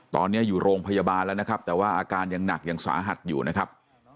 ตอนนี้อยู่โรงพยาบาลแล้วนะครับแต่ว่าอาการยังหนักยังสาหัสอยู่นะครับ